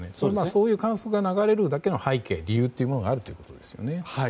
そういう観測が流れるだけの背景理由というものがあるということですよね。